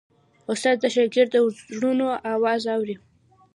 استاد د شاګرد د زړونو آواز اوري.